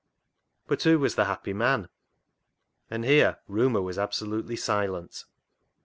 But who was the happy man ? And here rumour was absolutely silent.